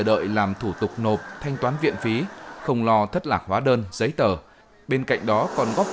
đợi làm thủ tục nộp thanh toán viện phí không lo thất lạc hóa đơn giấy tờ bên cạnh đó còn góp